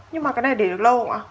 nhưng mà cái này để được lâu không ạ